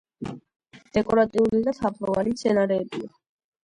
დეკორატიული და თაფლოვანი მცენარეებია.